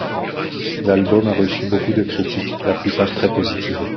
L'album a reçu beaucoup de critiques, la plupart très positives.